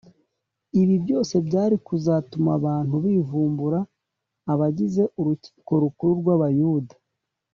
ibi byose byari kuzatuma abantu bivumburira abagize urukiko rukuru rw’abayuda